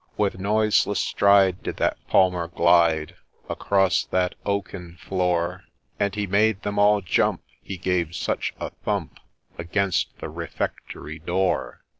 With noiseless stride did that Palmer glide Across that oaken floor ; And he made them all jump, he gave such a thump Against the Refectory door